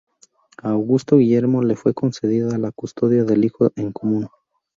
A Augusto Guillermo le fue concedida la custodia del hijo en común.